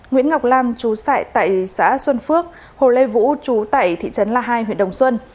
nguyễn ngọc lam chú tệ xã xuân phước hồ lê vũ chú tệ thị trấn la hai huyện đồng xuân